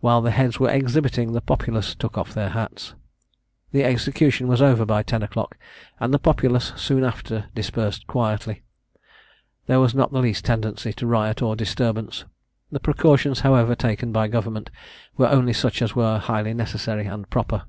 While the heads were exhibiting, the populace took off their hats. The execution was over by ten o'clock, and the populace soon after dispersed quietly. There was not the least tendency to riot or disturbance. The precautions, however, taken by Government, were only such as were highly necessary and proper.